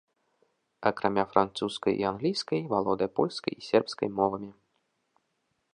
Акрамя французскай і англійскай валодае польскай і сербскай мовамі.